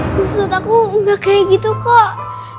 maksud aku gak kayak gitu kok